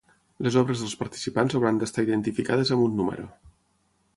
Les obres dels participants hauran d'estar identificades amb un número.